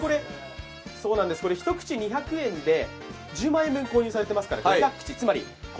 １口２００円で１０万円分購入されていますから、５００口。